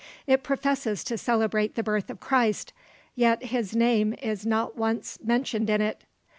It professes to celebrate the birth of Christ, yet his name is not once mentioned in it!